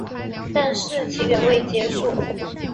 但事情远未结束。